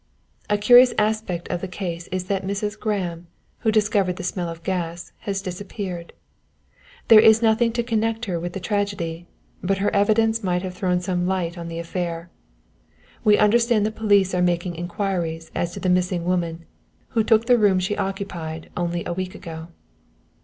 _ "_A curious aspect of the case is that the Mrs. Graham who discovered the smell of gas has disappeared. There is nothing to connect her with the tragedy, but her evidence might have thrown some light on the affair. We understand the police, are making inquiries as to the missing woman, who took the room she occupied only a week ago.